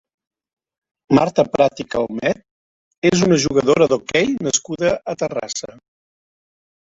Marta Prat i Calmet és una jugadora d'hoquei nascuda a Terrassa.